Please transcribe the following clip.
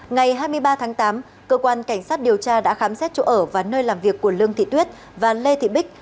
ngày hai mươi ba tháng tám cơ quan cảnh sát điều tra đã khám xét chỗ ở và nơi làm việc của lương thị tuyết và lê thị bích